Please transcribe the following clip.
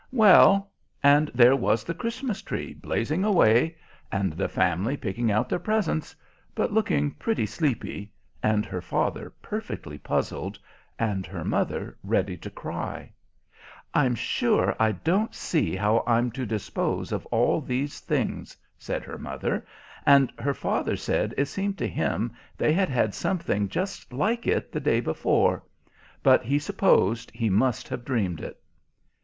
Well, and there was the Christmas tree blazing away, and the family picking out their presents, but looking pretty sleepy, and her father perfectly puzzled, and her mother ready to cry. "I'm sure I don't see how I'm to dispose of all these things," said her mother, and her father said it seemed to him they had had something just like it the day before, but he supposed he must have dreamed it.